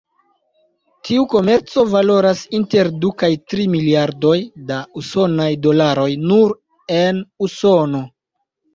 Tiu komerco valoras inter du kaj tri miliardoj da usonaj dolaroj nur en Usono.